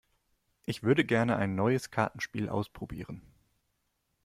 Ich würde gerne ein neues Kartenspiel ausprobieren.